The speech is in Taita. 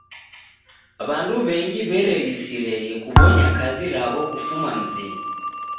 W'andu w'engi w'erelisireghe kubonya kazi raw'o kufuma mzinyi.